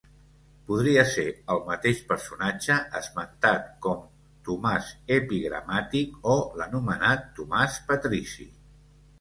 Podria ser el mateix personatge esmentat com Tomàs Epigramàtic o l'anomenat Tomàs Patrici.